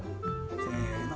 せの。